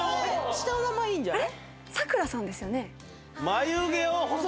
下の名前いいんじゃない？